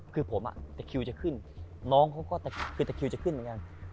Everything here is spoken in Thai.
คือผมตะคิวจะขึ้นน้องเขาก็คือตะคิวจะขึ้นเหมือนกัน